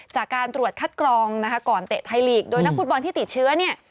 จากการตรวจคัดกรองนะคะก่อนเตะไทยลีกโดยนักฟุตบอลที่ติดเชื้อเนี่ย